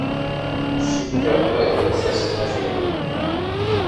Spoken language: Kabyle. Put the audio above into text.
Cikkeɣ qrib ad d-tas tmacint-nni.